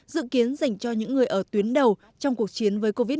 dự kiến dành cho những người ở tuyến đầu trong cuộc chiến với covid một mươi chín